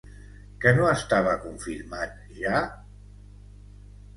Que no estava confirmat, ja?